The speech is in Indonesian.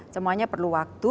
semuanya perlu waktu